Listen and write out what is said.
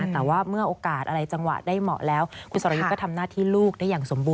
เพราะว่าคุณสารยุทธิ์ไม่ว่างนะคะ